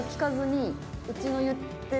うちの言ってる。